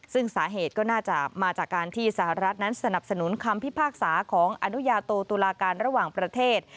ซึ่งสาเหตุก็น่าจะมาจากการที่สหรัฐนั้นสนับสนุนคำพิพากษาของอนุญาโตตุลาการระหว่างประเทศ